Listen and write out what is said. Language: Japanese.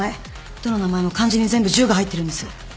どの名前も漢字に全部「十」が入ってるんです。